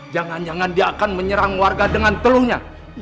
jangan jangan dia akan menyerang warga dengan teluhnya